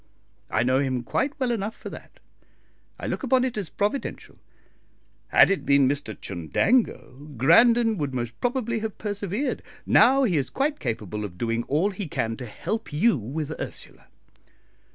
I know him quite well enough for that. I look upon it as providential. Had it been Mr Chundango, Grandon would most probably have persevered. Now he is quite capable of doing all he can to help you with Ursula."